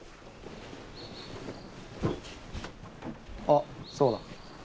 あそうだ。